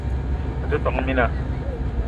Me te , tόn mina